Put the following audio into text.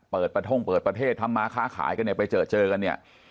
เปิดผ้าท่องเปิดประเทศทำม้าค้าขายกันไปเจอกัน